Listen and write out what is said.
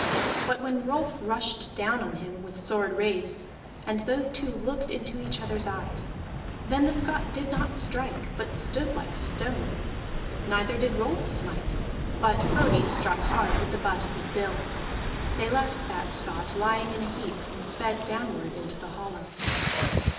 But when Rolf rushed down on him, with sword raised, and those two looked into each other's eyes, then the Scot did not strike, but stood like stone. Neither did Rolf smite, but Frodi struck hard with the butt of his bill; they left that Scot lying in a heap, and sped downward into the hollow.